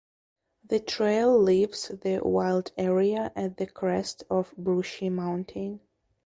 The trail leaves the wild area at the crest of Brushy Mountain.